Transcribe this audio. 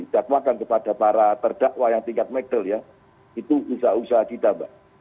dakwakan kepada para terdakwa yang tingkat megal ya itu usaha usaha kita mbak